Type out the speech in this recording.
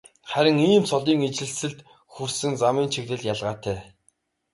Харин ийм цолын ижилсэлд хүрсэн замын чиглэл ялгаатай.